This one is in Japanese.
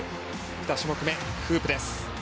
２種目めフープです。